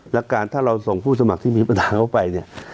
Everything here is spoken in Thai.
แล้วการถ้าเราส่งผู้สมัครที่มีปัญหาเข้าไปเนี่ย